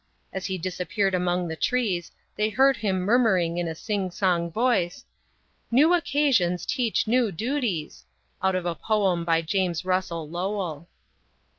As he disappeared among the trees, they heard him murmuring in a sing song voice, "New occasions teach new duties," out of a poem by James Russell Lowell.